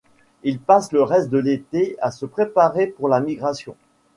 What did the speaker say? Ils passent le reste de l'été à se préparer pour la migration.